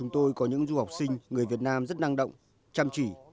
tôi có những du học sinh người việt nam rất năng động chăm chỉ